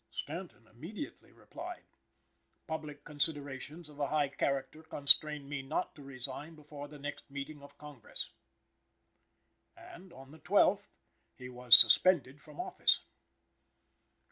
Stanton immediately replied: "Public considerations of a high character constrain me not to resign before the next meeting of Congress." And, on the 12th, he was suspended from office.